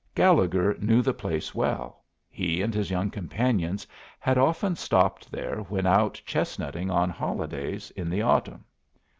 Gallegher knew the place well. He and his young companions had often stopped there when out chestnutting on holidays in the autumn.